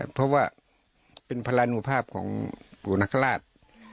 เพราะว่าเป็นพระราณุภาพของกุณคราช